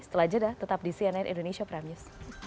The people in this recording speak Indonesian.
setelah jeda tetap di cnn indonesia prime news